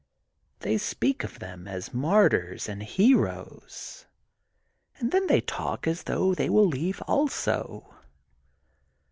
They speak of them as martyrs and heroes. And then they talk as though they will leave also.